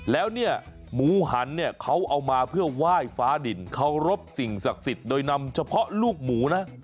แล้วเนี่ยหมูหันเนี่ยเขาเอามาเพื่อไหว้ฟ้าดินเคารพสิ่งศักดิ์สิทธิ์โดยนำเฉพาะลูกหมูนะ